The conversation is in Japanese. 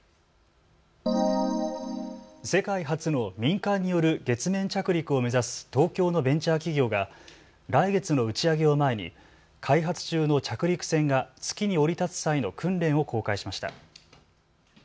世界初の民間による月面着陸を目指す東京のベンチャー企業が来月の打ち上げを前に開発中の着陸船が月に降り立つ際の訓練を公開しました。